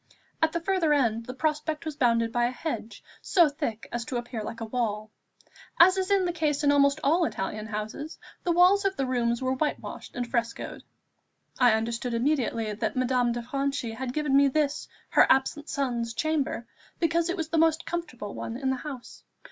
At the further end the prospect was bounded by a hedge, so thick as to appear like a wall. As is the case in almost all Italian houses, the walls of the rooms were white washed and frescoed. I understood immediately that Madame de Franchi had given me this, her absent son's chamber, because it was the most comfortable one in the house.